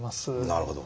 なるほど。